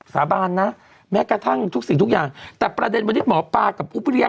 สาบานนะแม้กระทั่งทุกสิ่งทุกอย่างแต่ประเด็นวันนี้หมอปลากับอุปริยะ